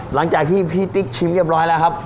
หลังจากที่พี่ติ๊กชิมเรียบร้อยแล้วครับ